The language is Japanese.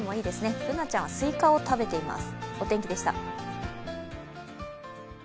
Ｂｏｏｎａちゃんはスイカを食べています。